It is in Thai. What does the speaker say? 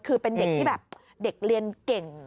คือเป็นเด็กที่แบบเด็กเรียนเก่ง